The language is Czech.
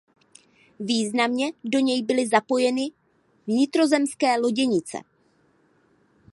Významně do něj byly zapojeny vnitrozemské loděnice.